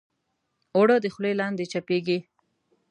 اوړه د خولې لاندې چپېږي